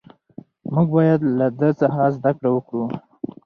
موږ باید له ده څخه زده کړه وکړو.